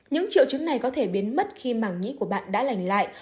những triệu chứng này có thể biến mất khi màng nhĩ của bạn đã lành lại